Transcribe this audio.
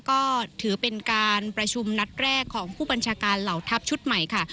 ก็ถือเป็นการประชุมนัดแรกของผู้บัญชาการเหล่าทัพชุดใหม่ค่ะ